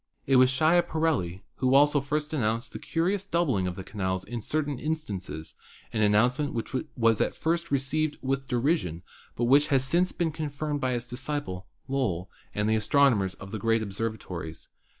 It was Schiaparelli who also first announced the curious doubling of the canals in certain instances, an announce ment which was at first received with derision but which has since been confirmed by his disciple, Lowell, and the astronomers of the great observatories.